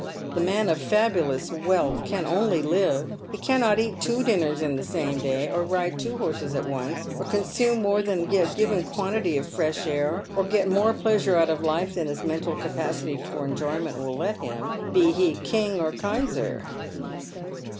The man of fabulous wealth can only live. He cannot eat two dinners in the same day, or ride two horses at once, or consume more than a given quantity of fresh air, or get more pleasure out of life than his mental capacity for enjoyment will let him, be he king or kaiser."